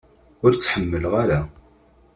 Ur tt-ḥemmleɣ ara.